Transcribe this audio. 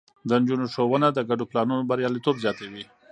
د نجونو ښوونه د ګډو پلانونو برياليتوب زياتوي.